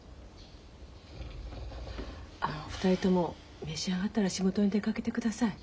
あのお二人とも召し上がったら仕事に出かけてください。